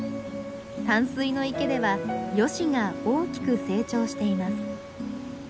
淡水の池ではヨシが大きく成長しています。